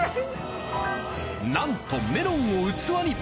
なんとメロンを器に。